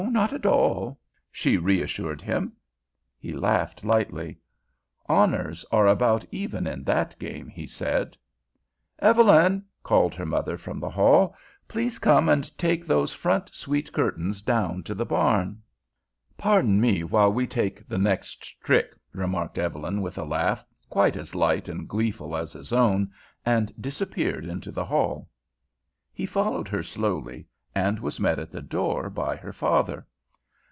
Not at all," she reassured him. He laughed lightly. "Honors are about even in that game," he said. "Evelyn," called her mother from the hall. "Please come and take those front suite curtains down to the barn." "Pardon me while we take the next trick," remarked Evelyn with a laugh quite as light and gleeful as his own, and disappeared into the hall. He followed her slowly, and was met at the door by her father.